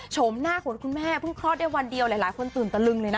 ชมหน้าควรคุณแม่เพิ่งรอดได้วันเดียวแหละหลายคนตื่นตระลึงเลยนะ